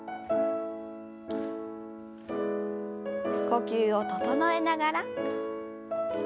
呼吸を整えながら。